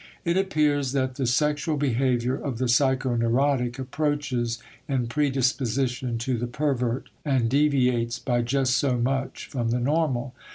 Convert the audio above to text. It appears that the sexual behavior of the psychoneurotic approaches in predisposition to the pervert and deviates by just so much from the normal.